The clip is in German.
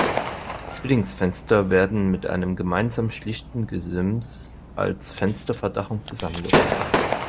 Die Zwillingsfenster werden mit einem gemeinsamen schlichten Gesims als Fensterverdachung zusammengefasst.